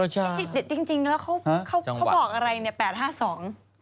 จริงแล้วเขาบอกอะไรเนี่ย๘๕๒